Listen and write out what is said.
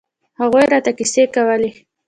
هغوى راته کيسې کولې.